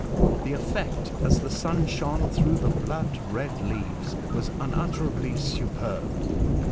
The effect, as the sun shone through the blood red leaves, was unutterably superb.